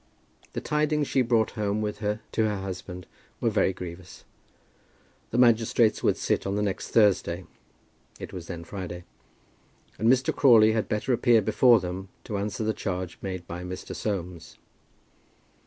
The tidings she brought home with her to her husband were very grievous. The magistrates would sit on the next Thursday, it was then Friday, and Mr. Crawley had better appear before them to answer the charge made by Mr. Soames.